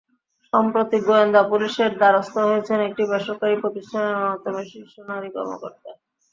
সম্প্রতি গোয়েন্দা পুলিশের দ্বারস্থ হয়েছেন একটি বেসরকারি প্রতিষ্ঠানের অন্যতম শীর্ষ নারী কর্মকর্তা।